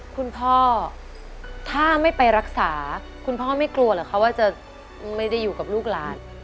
คุณพ่อถ้าไม่ไปรักษาคุณพ่อไม่กลัวเหรอคะว่าจะไม่ได้อยู่กับลูกหลาน